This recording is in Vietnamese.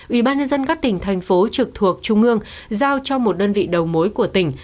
ubnd các tỉnh thành phố trực thuộc trung ương giao cho một đơn vị đầu mối của tỉnh